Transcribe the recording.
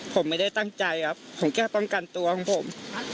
ผมไม่ได้ตั้งใจครับผมแค่ป้องกันตัวของผม